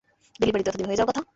Delivery তো এতদিনে হয়ে যাওয়ার কথা।